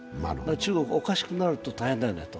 中国、おかしくなると大変だよねと。